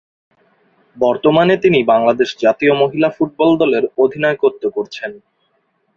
বর্তমানে তিনি বাংলাদেশ জাতীয় মহিলা ফুটবল দলের অধিনায়কত্ব করছেন।